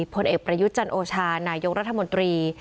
พลเอกประยุทธ์จันโอชานายกรัฐมนตรี